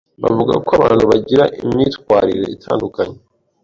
bavuga ko abantu bagira imyitwarire itandukanye